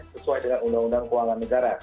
sesuai dengan undang undang keuangan negara